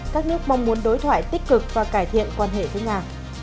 các nước mong muốn đối thoại tích cực và cải thiện quan hệ với nga